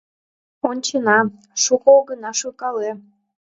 Ончена, шуко огына шуйкале...